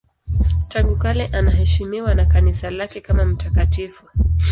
Tangu kale anaheshimiwa na Kanisa lake kama mtakatifu.